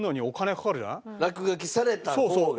落書きされた方が。